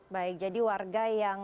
baik jadi warga yang